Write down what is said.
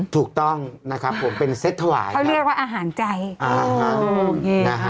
ถูกต้องนะครับผมเป็นเซ็ตถวายเขาเรียกว่าอาหารใจอ่านะฮะ